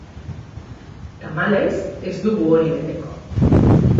Tamalez, ez dugu hori beteko.